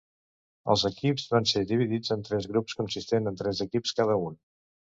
Els equips van ser dividits en tres grups, consistents de tres equips cada un.